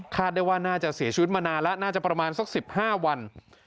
ได้ว่าน่าจะเสียชีวิตมานานแล้วน่าจะประมาณสัก๑๕วัน